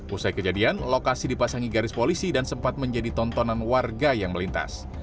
usai kejadian lokasi dipasangi garis polisi dan sempat menjadi tontonan warga yang melintas